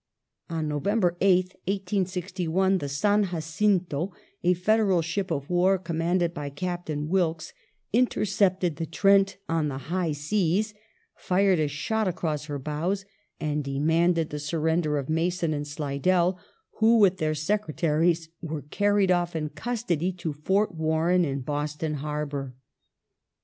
On Novem ber 8th, 1861, the San Jacinto — a Federal ship of war commanded by Captain Wilkes — intercepted the Trent on the high seas, fired a shot across her bows, and demanded the surrender of Mason and Slidell, who with their secretaries were carried off^ in custody to Fort Warren in Boston Harbour.